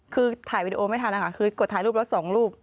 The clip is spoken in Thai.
คือถ่ายวีดีโอไม่ทันนะคะคือกดถ่ายรูปแล้วสองรูป